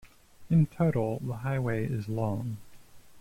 In total, the highway is long.